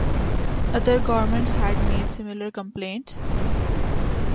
Other governments had made similar complaints.